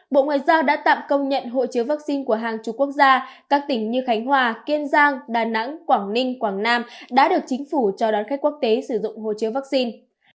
bộ ngoại giao đã tạm công nhận hộ chiếu vắc xin của hàng chú quốc gia các tỉnh như khánh hòa kiên giang đà nẵng quảng ninh quảng nam đã được chính phủ cho đón khách quốc tế sử dụng hộ chiếu vắc xin